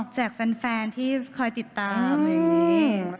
จากแฟนที่คอยติดตามอย่างนี้